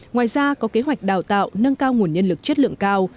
ngoài ra có kế hoạch đào tạo nâng cao nguồn nhân lực chất lượng cao